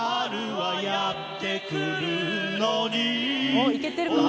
おっいけてるかな